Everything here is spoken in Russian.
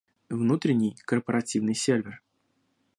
Внутренний корпоративный сервер